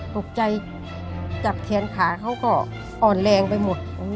ตกใจจับแขนขาเขาก็อ่อนแรงไปหมด